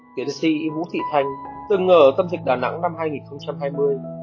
tiến sĩ vũ thị thanh từng ở tâm dịch đà nẵng năm hai nghìn hai mươi